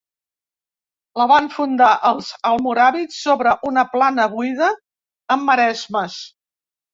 La van fundar els almoràvits sobre una plana buida, amb maresmes.